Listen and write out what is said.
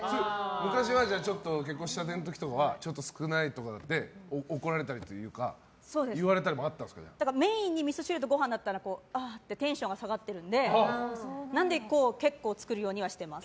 昔は結婚したての時とかはちょっと少ないとかで怒られたりというかメインにみそ汁とご飯だったらああってテンションが下がってるので結構作るようにはしてます。